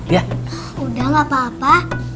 yaudah gak apa apa